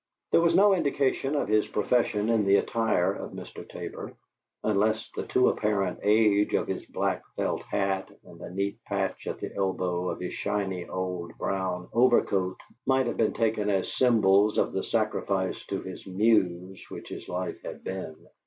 There was no indication of his profession in the attire of Mr. Tabor, unless the too apparent age of his black felt hat and a neat patch at the elbow of his shiny, old brown overcoat might have been taken as symbols of the sacrifice to his muse which his life had been.